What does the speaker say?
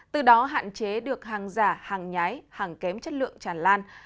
từ đó hạn chế được hàng giả hàng nhái hàng kém chất lượng tràn lan